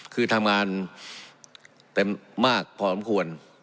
คือทำงานเต็มมากพอสมควร